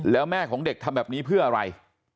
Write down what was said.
แล้วแม่ของเด็กทำแบบนี้เพื่ออะไร